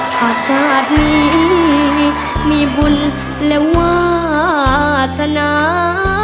พระจาตุนี้มีบุญและวาสนา